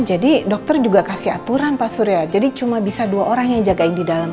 jadi dokter juga kasih aturan pak surya jadi cuma bisa dua orang yang jagain di dalam